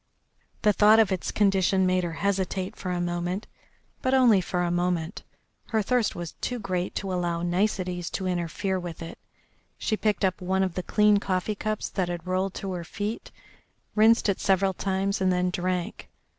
The thought of its condition made her hesitate for a moment, but only for a moment. Her thirst was too great to allow niceties to interfere with it. She picked up one of the clean coffee cups that had rolled to her feet, rinsed it several times, and then drank.